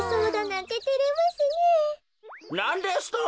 なんですと！？